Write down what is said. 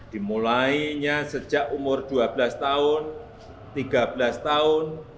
dimulainya sejak umur dua belas tahun tiga belas tahun